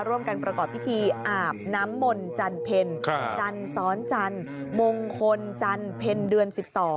ร่วมกันประกอบพิธีอาบน้ำมนต์จันทร์เพลศจันทร์ซ้อนจันทร์มงคลจันทร์เพลศเดือน๑๒